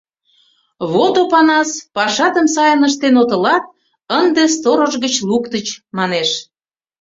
— Вот, Опанас, пашатым сайын ыштен отылат, ынде сторож гыч луктыч, — манеш.